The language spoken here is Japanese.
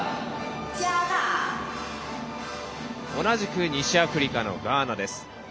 同じく西アフリカのガーナです。